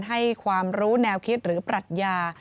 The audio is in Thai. ให้ความรู้แนวคิดหรือปรัชญา